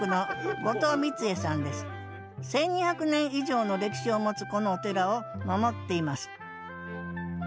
１，２００年以上の歴史を持つこのお寺を守っています。